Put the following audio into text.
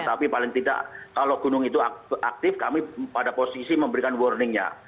tapi paling tidak kalau gunung itu aktif kami pada posisi memberikan warningnya